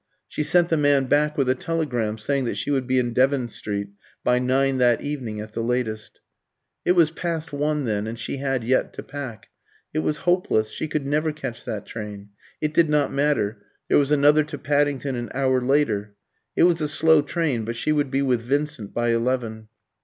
She sent the man back with a telegram saying that she would be in Devon Street by nine that evening at the latest. It was past one then, and she had yet to pack. It was hopeless she could never catch that train. It did not matter; there was another to Paddington an hour later: it was a slow train, but she would be with Vincent by eleven.